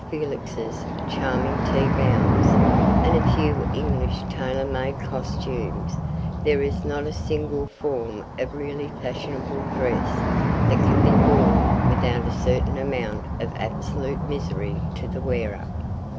Felix's charming tea gowns, and a few English tailor made costumes, there is not a single form of really fashionable dress that can be worn without a certain amount of absolute misery to the wearer.